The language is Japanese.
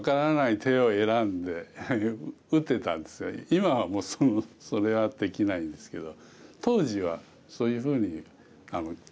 今はもうそれはできないんですけど。